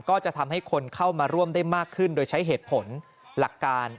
ก็จะทำให้คนเข้ามาร่วมได้มากขึ้นโดยใช้เหตุผลหลักการ